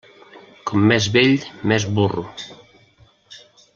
Com més vell, més burro.